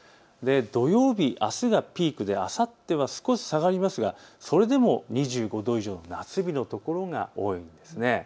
土曜日、あすがピークであさっては少し下がりますがそれでも２５度以上の夏日の所が多いもようです。